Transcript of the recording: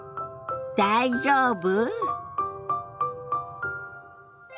「大丈夫？」。